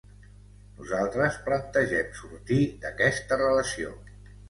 Nosaltres plantegem sortir d’aquesta relació.